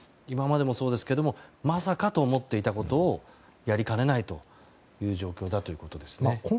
今までもそうですがまさかと思っていたことをやりかねないという状況ですね。